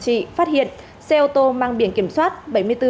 phát hiện xe ô tô mang biển kiểm soát